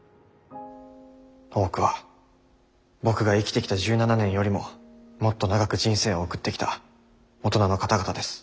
多くは僕が生きてきた１７年よりももっと長く人生を送ってきた大人の方々です。